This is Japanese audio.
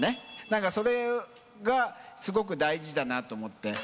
なんか、それがすごく大事だなと思って。